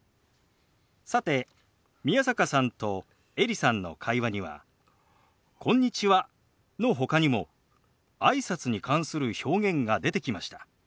さて宮坂さんとエリさんの会話には「こんにちは」のほかにもあいさつに関する表現が出てきました。